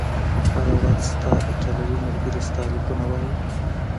هره ورځ، ستا ایټالوي ملګري ستا لیکونه وایي؟